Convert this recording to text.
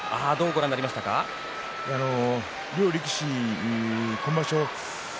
両力士、今場所